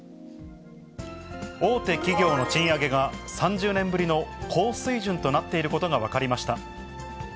大手企業の賃上げが、３０年ぶりの高水準となっていることが分かりました。